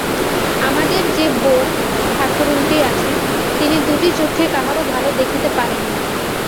আমাদের যে বউ-ঠাকরুনটি আছেন, তিনি দুটি চক্ষে কাহারো ভালো দেখিতে পারেন না।